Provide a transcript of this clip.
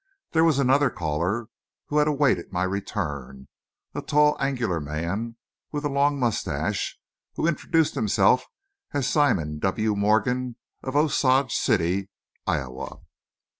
There was another caller, who had awaited my return a tall, angular man, with a long moustache, who introduced himself as Simon W. Morgan, of Osage City, Iowa.